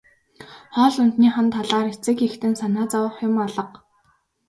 Хоол ундных нь талаар эцэг эхэд нь санаа зовох юм алга.